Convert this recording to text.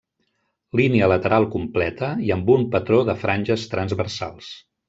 Línia lateral completa i amb un patró de franges transversals.